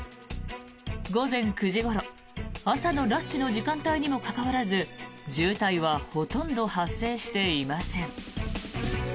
午前９時ごろ、朝のラッシュの時間帯にもかかわらず渋滞はほとんど発生していません。